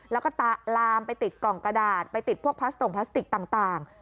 แล้วก็ลามไปติดกล่องกระดาษไปติดพวกพลาสตงพลาสติกต่าง